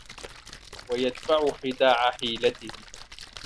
وَيَدْفَعُ خِدَاعَ حِيلَتِهِ